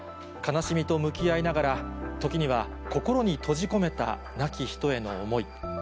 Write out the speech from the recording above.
悲しみと向き合いながら、時には心に閉じ込めた亡き人への思い。